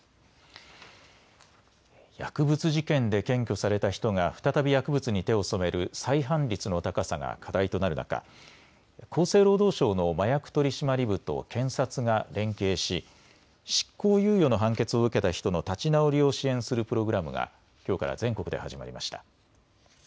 薬物事件で検挙された人が再び薬物に手を染める再犯率の高さが課題となる中、厚生労働省の麻薬取締部と検察が連携し執行猶予の判決を受けた人の立ち直りを支援するプログラムがきょうから全国で始まりました。